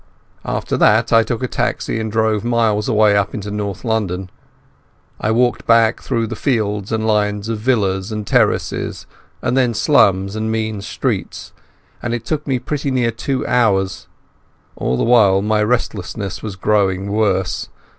After that I took a taxi and drove miles away up into North London. I walked back through fields and lines of villas and terraces and then slums and mean streets, and it took me pretty nearly two hours. All the while my restlessness was growing worse.